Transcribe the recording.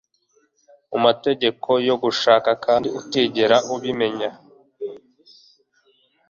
Mu mategeko yo gushaka kandi utigera ubimenya